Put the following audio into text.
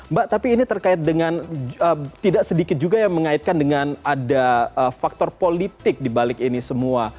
mbak tapi ini terkait dengan tidak sedikit juga yang mengaitkan dengan ada faktor politik dibalik ini semua